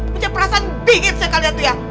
punya perasaan dingin saya kali itu ya